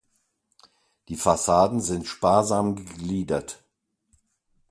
Die Fassaden sind sparsam gegliedert.